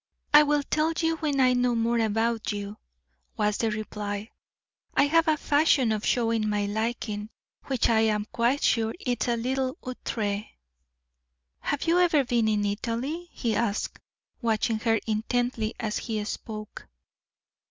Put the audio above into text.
"I will tell you when I know more of you," was the reply. "I have a fashion of showing my liking, which I am quite sure is a little outre." "Have you ever been in Italy?" he asked, watching her intently as he spoke.